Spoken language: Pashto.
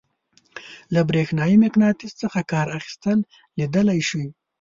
له برېښنايي مقناطیس څخه کار اخیستل لیدلی شئ.